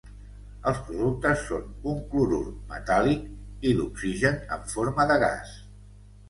Els productes són un clorur metàl·lic i l'oxigen en forma de gas.